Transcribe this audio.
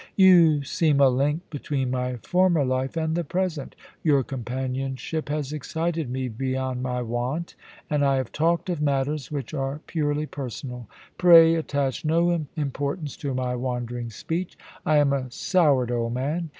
* You seem a link between my former life and the present Your companionship has excited me beyond my wont, and THE WE A VING OF THE SPELL. 29 I have talked of matters which are purely personal. Pray attach no importance to my wandering speech. I am a soured old man.